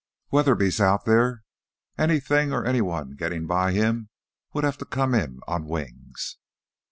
"Weatherby's out there. Anything or anyone gettin' by him would have to come in on wings."